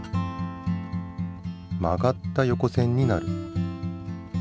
曲がった横線になる。